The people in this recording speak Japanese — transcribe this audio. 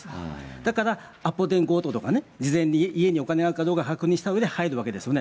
だから、アポ電強盗とかね、事前に家にお金があるかどうか確認したうえで入るわけですよね。